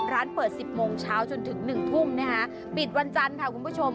ร้านเปิด๑๐โมงเช้าจนถึง๑ทุ่มปิดวันจันทร์ค่ะคุณผู้ชม